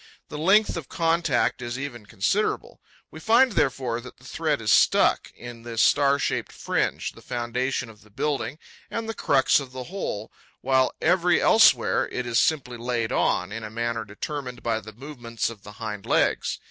The length of contact is even considerable. We find, therefore, that the thread is stuck in this star shaped fringe, the foundation of the building and the crux of the whole, while every elsewhere it is simply laid on, in a manner determined by the movements of the hind legs.